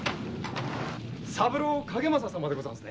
三郎景正様でござんすね。